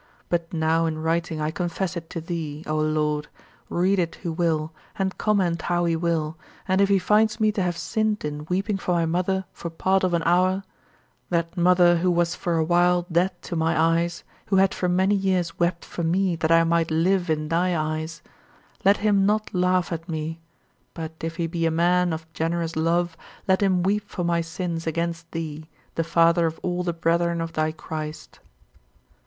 But now in writing I confess it to thee, O Lord! Read it who will, and comment how he will, and if he finds me to have sinned in weeping for my mother for part of an hour that mother who was for a while dead to my eyes, who had for many years wept for me that I might live in thy eyes let him not laugh at me; but if he be a man of generous love, let him weep for my sins against thee, the Father of all the brethren of thy Christ.